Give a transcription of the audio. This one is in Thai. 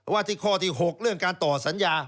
ที่ข้อที่๖เรื่องการต่อสัญญา